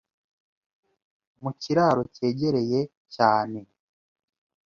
Mu kiraro cyegereye cyane